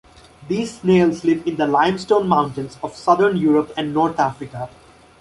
These snails live in the limestone mountains of southern Europe and North Africa.